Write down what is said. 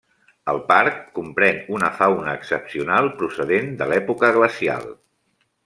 El parc comprèn una fauna excepcional procedent de l'època glacial.